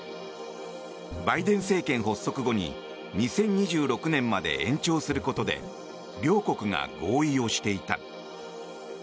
バイデン政権発足後に２０２６年まで延長することで両国が合意をしていた。